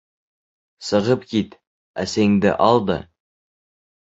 Сығып кит, әсәйеңде ал да!